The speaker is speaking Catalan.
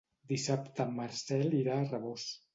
Dissabte en Marcel irà a Rabós.